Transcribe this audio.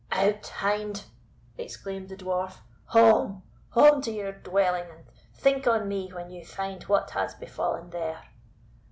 "Out, hind!" exclaimed the Dwarf; "home! home to your dwelling, and think on me when you find what has befallen there."